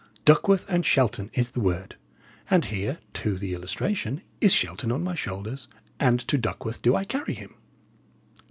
'Duckworth and Shelton' is the word; and here, to the illustration, is Shelton on my shoulders, and to Duckworth do I carry him."